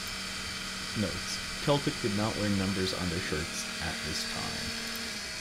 Notes: Celtic did not wear numbers on their shirts at this time.